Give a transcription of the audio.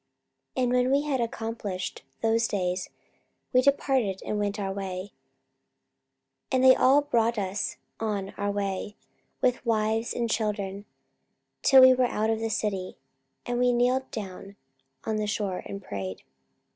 44:021:005 And when we had accomplished those days, we departed and went our way; and they all brought us on our way, with wives and children, till we were out of the city: and we kneeled down on the shore, and prayed.